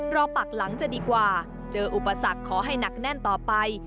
ปักหลังจะดีกว่าเจออุปสรรคขอให้หนักแน่นต่อไป